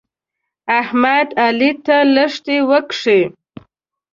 احمد؛ علي ته لښتې وکښې.